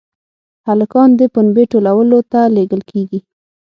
هلکان د پنبې ټولولو ته لېږل کېږي.